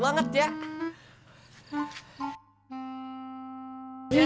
perasaan yang berbeda